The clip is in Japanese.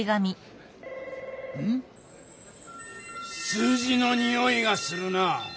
数字のにおいがするな。